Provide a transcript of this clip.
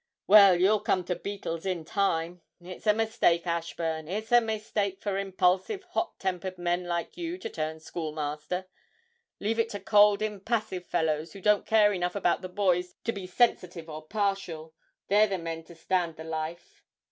Well, you'll come to beetles in time. It's a mistake, Ashburn, it's a mistake for impulsive, hot tempered men like you to turn schoolmaster leave it to cold, impassive fellows who don't care enough about the boys to be sensitive or partial they're the men to stand the life!'